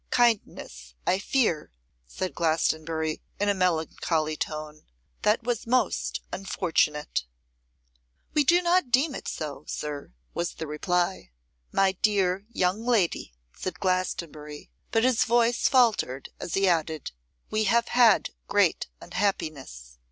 'Kindness, I fear,' said Glastonbury, in a melancholy tone, 'that was most unfortunate.' 'We do not deem it so, sir,' was the reply. 'My dear young lady,' said Glastonbury, but his voice faltered as he added, 'we have had great unhappiness.